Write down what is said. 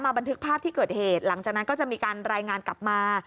บันทึกภาพที่เกิดเหตุหลังจากนั้นก็จะมีการรายงานกลับมา